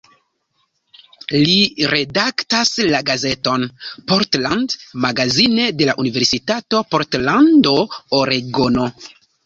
Li redaktas la gazeton "Portland Magazine" de la Universitato Portlando, Oregono.